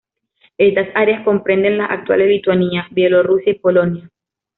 Estas áreas comprenden las actuales Lituania, Bielorrusia y Polonia.